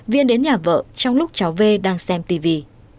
viên đến nhà vợ trong lúc cháu v đang xem tì